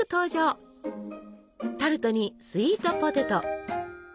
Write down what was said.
タルトにスイートポテト。